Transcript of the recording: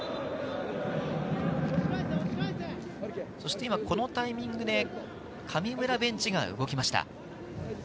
今、このタイミングで神村ベンチが動きました。